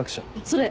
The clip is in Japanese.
それ。